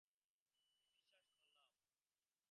আমি বিশ্বাস করলাম।